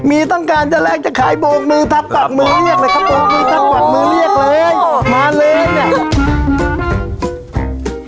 มีต้องการจะแรกจะขายโพกมือทับปากมือเรียก